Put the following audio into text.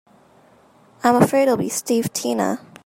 I'm afraid it'll be Steve Tina.